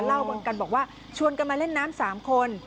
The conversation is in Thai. เหมือนกันบอกว่าชวนกันมาเล่นน้ำ๓คน